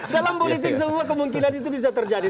dalam politik semua kemungkinan itu bisa terjadi